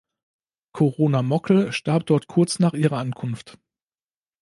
Corona Mockel starb dort kurz nach ihrer Ankunft.